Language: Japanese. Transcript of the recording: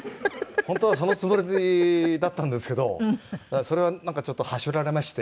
本当はそのつもりだったんですけどそれはなんかちょっとはしょられまして。